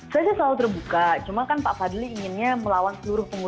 saya sih selalu terbuka cuma kan pak fadli inginnya melawan seluruh pengurus psi tidak ingin one on one